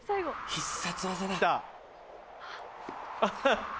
必殺技だ。